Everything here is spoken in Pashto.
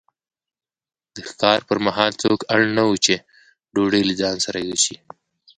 د ښکار پر مهال څوک اړ نه وو چې ډوډۍ له ځان سره یوسي.